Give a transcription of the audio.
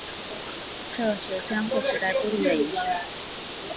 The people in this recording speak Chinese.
这是江户时代固定的仪式。